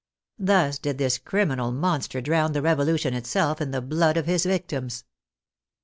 Thus did this criminal monster drown the Revolution itself in the blood of his victims.